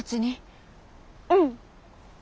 うん。